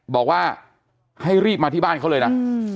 บอกว่าให้รีบมาที่บ้านเขาเลยนะ